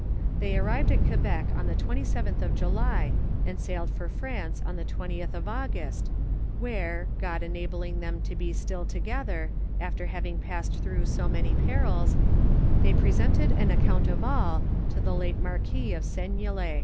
They arrived at Quebec on the 27th of July, and sailed for France on the 20th of August, where, Ood enabling them to be still together, after having passed through so many perils, they presented on account of all to the late mar quis of Seignelay.